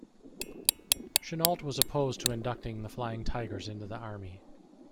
Chennault was opposed to inducting the Flying Tigers into the Army.